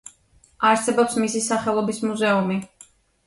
არსებობს მისი სახელობის მუზეუმი.